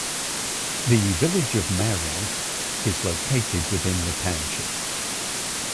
The Village of Marion is located within the township.